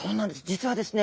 実はですね